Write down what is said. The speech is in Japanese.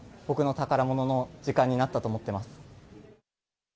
僕の宝物の時間になったと思ってます。